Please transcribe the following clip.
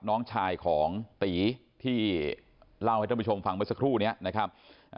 น้องชายของตีที่เล่าให้ท่านผู้ชมฟังเมื่อสักครู่นี้นะครับ